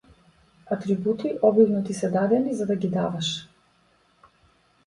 Атрибути обилно ти се дадени за да ги даваш!